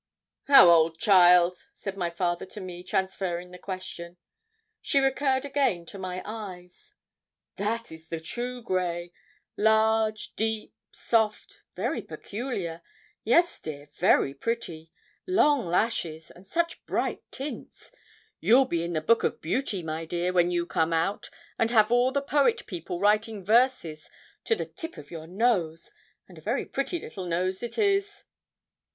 'How old, child?' said my father to me, transferring the question. She recurred again to my eyes. 'That is the true grey large, deep, soft very peculiar. Yes, dear, very pretty long lashes, and such bright tints! You'll be in the Book of Beauty, my dear, when you come out, and have all the poet people writing verses to the tip of your nose and a very pretty little nose it is!'